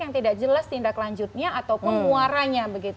yang tidak jelas tindak lanjutnya ataupun muaranya